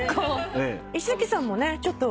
石崎さんもねちょっと。